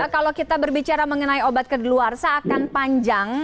kalau kita berbicara mengenai obat kedeluarsa akan panjang